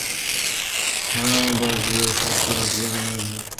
Bonanza Bus Lines stops at the Mill Pond Diner daily.